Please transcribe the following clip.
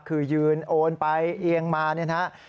คือยืนโอนไปเอียงมาเนี่ยนะครับ